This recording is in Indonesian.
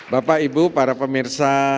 bapak ibu para pemirsa